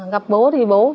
gặp bố thì bố